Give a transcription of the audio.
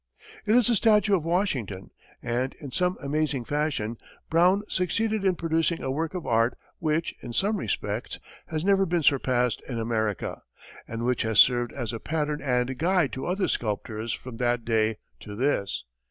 It is a statue of Washington, and, in some amazing fashion, Brown succeeded in producing a work of art, which, in some respects, has never been surpassed in America, and which has served as a pattern and guide to other sculptors from that day to this.